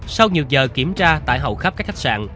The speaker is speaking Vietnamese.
sau nhiều giờ kiểm tra tại hầu khắp các khách sạn